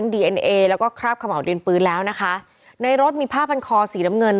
ดีเอ็นเอแล้วก็คราบขม่าวดินปืนแล้วนะคะในรถมีผ้าพันคอสีน้ำเงิน